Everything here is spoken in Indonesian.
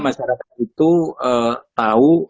masyarakat itu tau